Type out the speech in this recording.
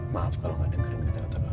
maaf kalo gak dengerin kata kata kamu